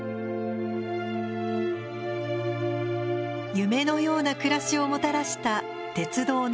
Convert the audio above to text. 夢のような暮らしをもたらした鉄道の電化。